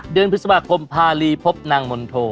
เดือนพฤษภาคมพาลีพบนางมนโท